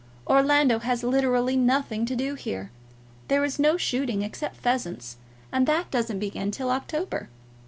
Orlando has literally nothing to do here. There is no shooting, except pheasants, and that doesn't begin till October.